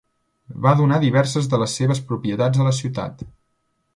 Va donar diverses de les seves propietats a la ciutat.